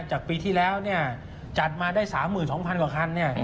จากปีที่แล้วจัดมาได้๓๒๐๐กว่าคัน